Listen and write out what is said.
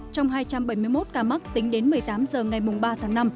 trong hai trăm bảy mươi một ca mắc tính đến một mươi tám h ngày ba tháng năm